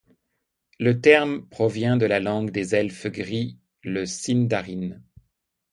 Le terme ' provient de la langue des Elfes Gris, le sindarin.